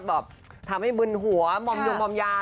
แล้วบอกว่าทำให้มึนหัวยยมล้องยา